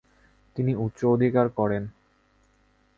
তিনি উচ অধিকার করেন।